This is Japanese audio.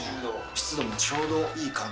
湿度もちょうどいい感じ。